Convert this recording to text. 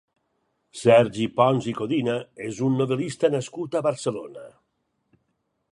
Sergi Pons i Codina és un novel·lista nascut a Barcelona.